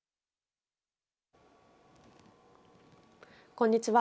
こんにちは。